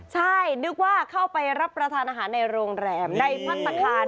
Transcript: ใช่นึกว่าเข้าไปรับประทานอาหารในโรงแรมในพัฒนาคาร